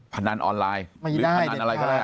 พนันออนไลน์หรือพนันอะไรก็ได้